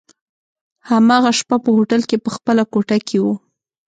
هماغه شپه په هوټل کي په خپله کوټه کي وو.